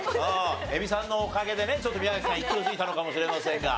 映美さんのおかげでねちょっと宮崎さんが勢いづいたのかもしれませんが。